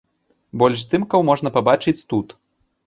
Больш здымкаў можна пабачыць тут.